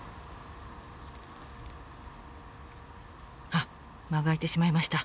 あっ間が空いてしまいました。